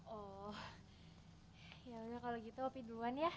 oh ya udah kalau gitu kopi duluan ya